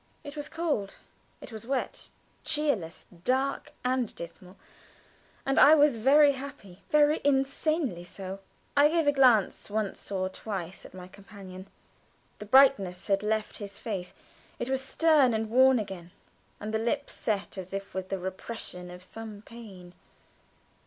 It was cold, it was wet cheerless, dark, and dismal, and I was very happy very insanely so. I gave a glance once or twice at my companion. The brightness had left his face; it was stern and worn again, and his lips set as if with the repression of some pain.